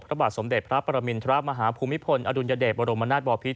พระบาทสมเด็จพระปรมินทรมาฮภูมิพลอดุลยเดชบรมนาศบอพิษ